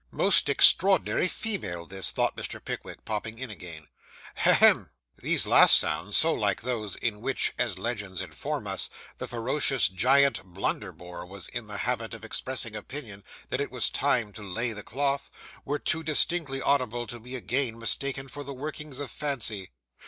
'Most extraordinary female this,' thought Mr. Pickwick, popping in again. 'Ha hum!' These last sounds, so like those in which, as legends inform us, the ferocious giant Blunderbore was in the habit of expressing his opinion that it was time to lay the cloth, were too distinctly audible to be again mistaken for the workings of fancy.